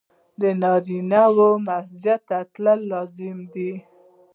د نارينه مسجد ته تلل لازمي دي.